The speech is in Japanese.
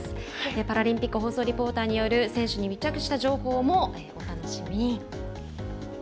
パラリンピック放送リポーターによる選手に密着した情報もお楽しみに。